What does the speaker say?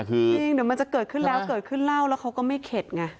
จริงเดี๋ยวมันจะเกิดขึ้นแล้วเกิดขึ้นเล่าแล้วเขาก็ไม่เข็ดไง